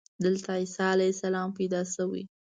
دلته عیسی علیه السلام پیدا شوی.